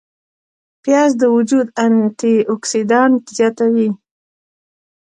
پیاز د وجود انتي اوکسیدانت زیاتوي